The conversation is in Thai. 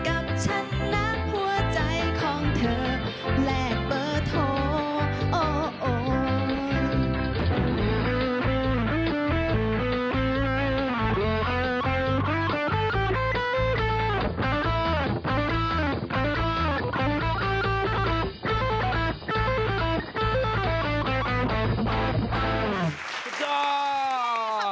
กับชั้นน้ำหัวใจของเธอและเบอร์โท